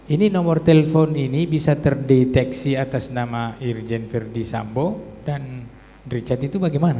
ini nomor telepon ini bisa terdeteksi atas nama irjen verdi sambo dan richard itu bagaimana